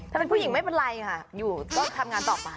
ถ้าเป็นผู้หญิงไม่เป็นไรค่ะอยู่ก็ทำงานต่อไป